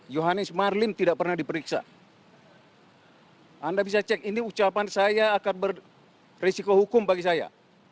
yohanis marlim tidak pernah diperiksa anda bisa cek ini ucapan saya akan berisiko hukum bagi saya